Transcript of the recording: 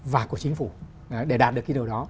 và của chính phủ để đạt được kỳ đầu đó